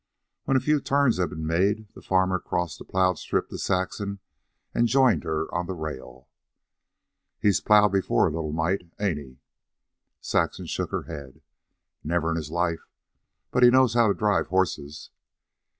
When a few turns had been made, the farmer crossed the plowed strip to Saxon, and joined her on the rail. "He's plowed before, a little mite, ain't he?" Saxon shook her head. "Never in his life. But he knows how to drive horses."